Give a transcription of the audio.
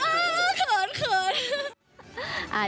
อ้าวเขิน